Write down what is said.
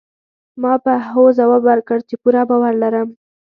ما په هوځواب ورکړ، چي پوره باور لرم.